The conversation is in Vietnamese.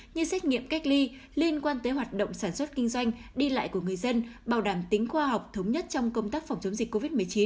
như xét nghiệm cách ly liên quan tới hoạt động sản xuất kinh doanh đi lại của người dân bảo đảm tính khoa học thống nhất trong công tác phòng chống dịch covid một mươi chín